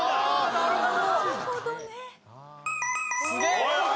なるほど。